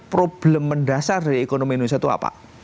problem mendasar dari ekonomi indonesia itu apa